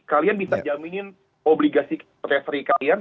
kalian bisa jaminin obligasi revery kalian